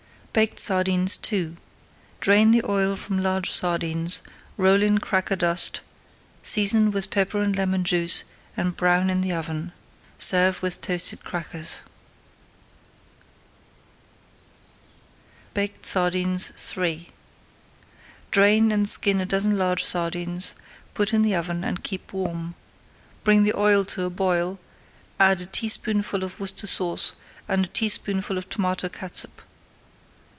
BAKED SARDINES II Drain the oil from large sardines, roll in cracker dust, season with pepper and lemon juice, and brown in the oven. Serve with toasted crackers. BAKED SARDINES III Drain and skin a dozen large sardines, put in the oven, and keep warm. Bring the oil to a boil, add a teaspoonful of Worcestershire [Page 315] Sauce and a teaspoonful of tomato catsup.